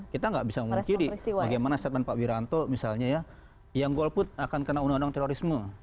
kita nggak bisa mengungkiri bagaimana statement pak wiranto misalnya ya yang golput akan kena undang undang terorisme